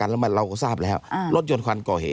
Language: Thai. รถยนต์ไฟม์กัวเฮ